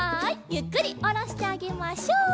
ゆっくりおろしてあげましょう。